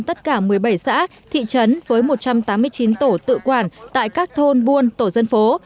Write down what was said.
tất cả một mươi bảy xã thị trấn với một trăm tám mươi chín tổ tự quản tại các thôn buôn tổ dân phố